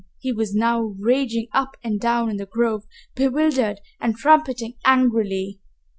He was now raging up and down in the grove, bewildered and trumpeting angrily.